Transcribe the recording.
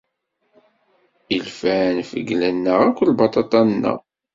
Ilfan fegglen-aɣ akk lbaṭaṭa-nneɣ.